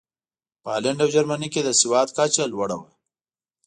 په هالنډ او جرمني کې د سواد کچه لوړه وه.